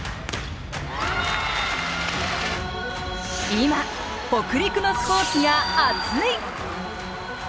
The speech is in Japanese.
今北陸のスポーツが熱い！